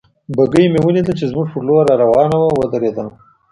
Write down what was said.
بګۍ مې ولیدل چې زموږ پر لور را روانه وه، ودرېدل.